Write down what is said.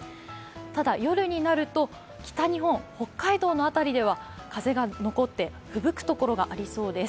ただ、夜になると北日本、北海道の辺りでは風が残ってふぶくところがありそうです。